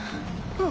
うん。